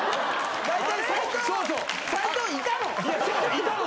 「いたの！？」